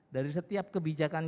dari setiap kebijakan